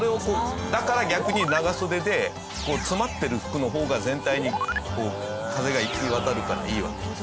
だから逆に長袖で詰まってる服の方が全体に風が行き渡るからいいわけです。